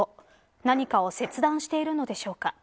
何かを切断しているのでしょうか。